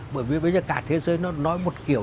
bởi vì bây giờ cả thế giới nó nói một kiểu